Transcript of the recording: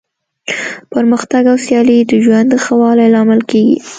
پرمختګ او سیالي د ژوند د ښه والي لامل کیږي.